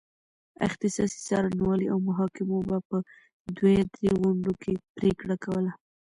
اختصاصي څارنوالۍ او محاکمو به په دوه یا درې غونډو کې پرېکړه کوله.